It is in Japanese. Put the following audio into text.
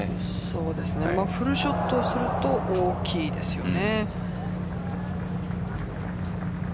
そうですねフルショットすると大きいですよね。